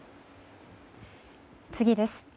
次です。